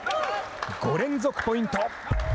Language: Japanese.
５連続ポイント。